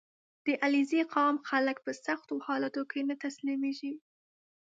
• د علیزي قوم خلک په سختو حالاتو کې نه تسلیمېږي.